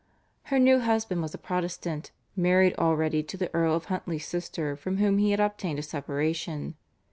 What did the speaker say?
Her new husband was a Protestant, married already to the Earl of Huntly's sister from whom he had obtained a separation.